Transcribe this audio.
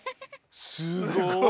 すごい！